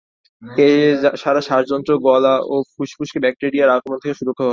এ ছাড়া শ্বাসতন্ত্র, গলা ও ফুসফুসকে ব্যাকটেরিয়ার আক্রমণ থেকে সুরক্ষা দেয়।